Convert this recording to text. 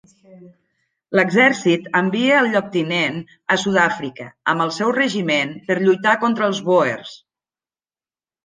L’exercit envia el lloctinent a Sud-àfrica amb el seu regiment per lluitar contra els bòers.